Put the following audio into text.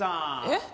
えっ！